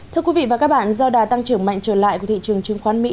thưa quý vị và các bạn do đà tăng trưởng mạnh trở lại của thị trường chứng khoán mỹ